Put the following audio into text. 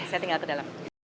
saya tinggal ke dalam